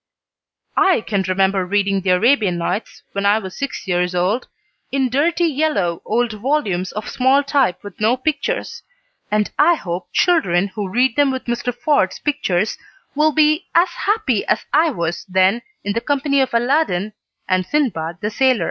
I can remember reading "The Arabian Nights" when I was six years old, in dirty yellow old volumes of small type with no pictures, and I hope children who read them with Mr. Ford's pictures will be as happy as I was then in the company of Aladdin and Sindbad the Sailor.